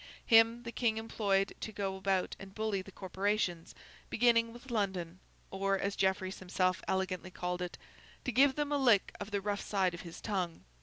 Him the King employed to go about and bully the corporations, beginning with London; or, as Jeffreys himself elegantly called it, 'to give them a lick with the rough side of his tongue.